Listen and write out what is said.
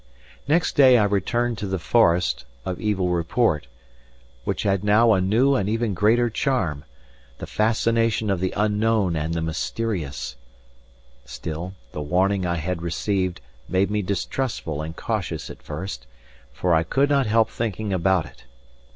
Next day I returned to the forest of evil report, which had now a new and even greater charm the fascination of the unknown and the mysterious; still, the warning I had received made me distrustful and cautious at first, for I could not help thinking about it.